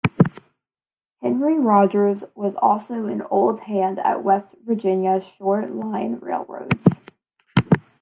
Henry Rogers was also an old hand at West Virginia short line railroads.